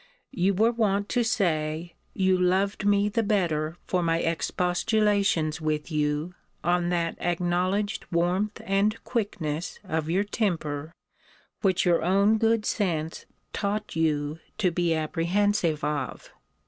You were wont to say, you loved me the better for my expostulations with you on that acknowledged warmth and quickness of your temper which your own good sense taught you to be apprehensive of.